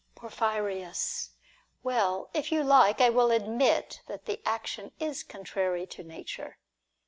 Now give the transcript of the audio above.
Porphyrius. Well, if you like, I will admit that the action is contrary to nature.